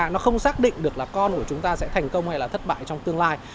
nó không xác định được là con của chúng ta sẽ thành công hay là thất bại trong tương lai